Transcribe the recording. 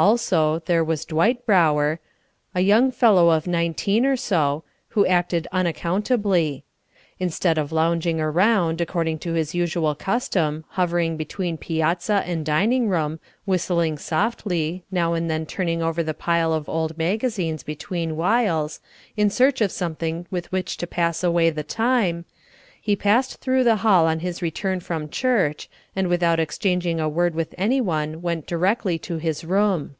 Also, there was Dwight Brower, a young fellow of nineteen or so, who acted unaccountably. Instead of lounging around, according to his usual custom, hovering between piazza and dining room, whistling softly, now and then turning over the pile of old magazines between whiles, in search of something with which to pass away the time, he passed through the hall on his return from church, and without exchanging a word with anyone went directly to his room.